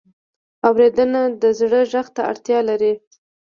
اورېدنه د زړه غوږ ته اړتیا لري.